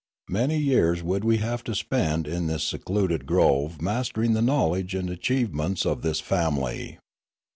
Many years would we have to spend in this secluded grove mastering the knowledge and achievements of this family.